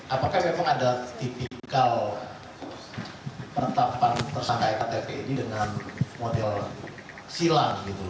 apakah memang ada tipikal pertafasan persangka ektp ini dengan model silang